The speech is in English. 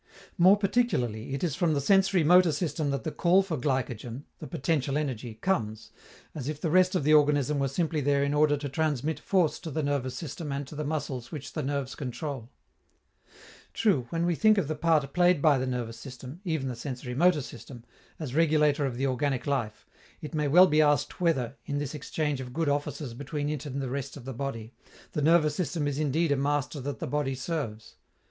More particularly, it is from the sensori motor system that the call for glycogen, the potential energy, comes, as if the rest of the organism were simply there in order to transmit force to the nervous system and to the muscles which the nerves control. True, when we think of the part played by the nervous system (even the sensori motor system) as regulator of the organic life, it may well be asked whether, in this exchange of good offices between it and the rest of the body, the nervous system is indeed a master that the body serves.